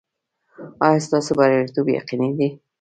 ایا ستاسو بریالیتوب یقیني دی؟